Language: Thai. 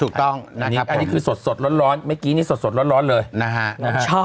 ถูกต้องนะครับอันนี้คือสดร้อนเมื่อกี้นี่สดร้อนเลยนะฮะ